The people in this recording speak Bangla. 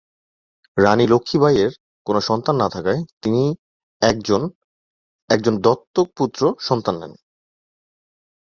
রানী লক্ষ্মী বাঈ এর কোনো সন্তান না থাকায় তিনি একজন একজন দত্তক পুত্র সন্তান নেন।